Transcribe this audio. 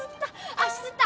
足つった！